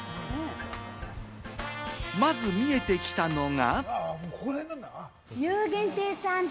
まず見えてきたのが。